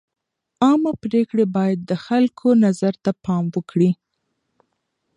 عامه پرېکړې باید د خلکو نظر ته پام وکړي.